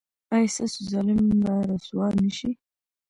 ایا ستاسو ظالم به رسوا نه شي؟